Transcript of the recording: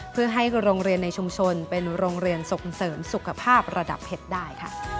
เพื่อให้โรงเรียนในชุมชนเป็นโรงเรียนส่งเสริมสุขภาพระดับเพชรได้ค่ะ